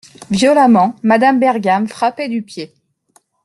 Violemment, Madame Bergam frappait du pied.